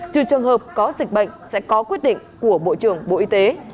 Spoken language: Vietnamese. trừ trường hợp có dịch bệnh sẽ có quyết định của bộ trưởng bộ y tế